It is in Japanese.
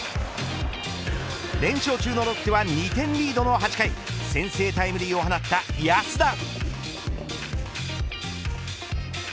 連勝中のロッテは２点リードの８回先制タイムリーを放った安田。